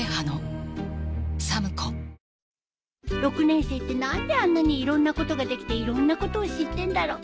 ６年生って何であんなにいろんなことができていろんなことを知ってんだろ。